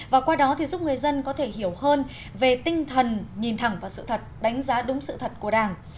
và qua đó thì giúp người dân có thể hiểu hơn về tinh thần nhìn thẳng vào sự thật đánh giá đúng sự thật của đảng